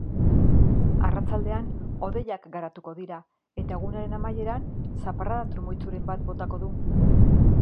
Arratsaldean hodeiak garatuko dira eta egunaren amaieran zaparrada trumoitsuren bat botako du.